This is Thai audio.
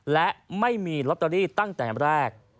และไม่มีลอตเตอรี่ตั้งแต่แรก